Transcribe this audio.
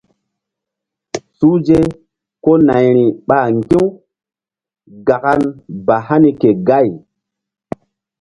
Suhze ko nayri ɓa ŋgi̧-u gakan ba hani ke gay.